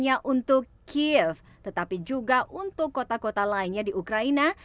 hanya untuk kiev tetapi juga untuk kota kota lainnya di ukraina